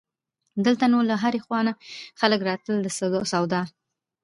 دلته نو له هرې خوا نه خلک راتلل د سودا.